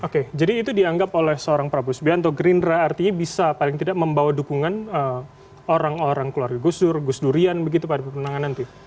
oke jadi itu dianggap oleh seorang prabowo subianto gerindra artinya bisa paling tidak membawa dukungan orang orang keluarga gus dur gus durian begitu pada pemenangan nanti